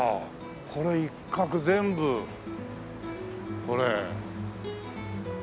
これ一角全部これ。